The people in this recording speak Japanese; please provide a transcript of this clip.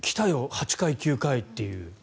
８回、９回っていう。